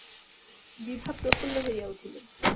বিভা প্রফুল্ল হইয়া উঠিল।